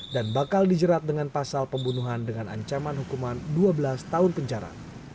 dan bakal dijerat dengan pasal pembunuhan dengan ancaman hukuman dua belas tahun penjara